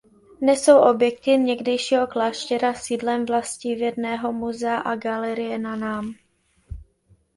Dnes jsou objekty někdejšího kláštera sídlem Vlastivědného muzea a galerie na nám.